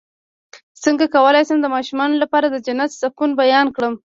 څنګه کولی شم د ماشومانو لپاره د جنت د سکون بیان کړم